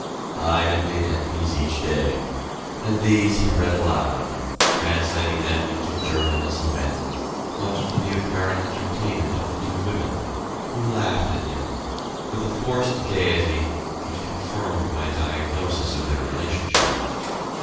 I had made entries each day, and these he read aloud, translating them into German as he went, much to the apparent entertainment of the two women, who laughed at him, with a forced gaiety which confirmed my diagnosis of their relationship.